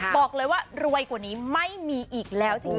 บอกเลยว่ารวยกว่านี้ไม่มีอีกแล้วจริง